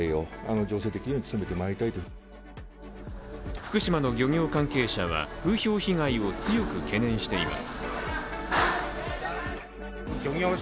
福島の漁業関係者は風評被害を強く懸念しています。